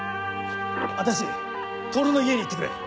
足達透の家に行ってくれ。